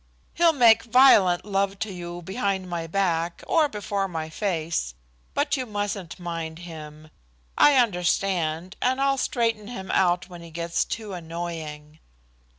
He'll make violent love to you behind my back or before my face, but you mustn't mind him. I understand, and I'll straighten him out when he gets too annoying."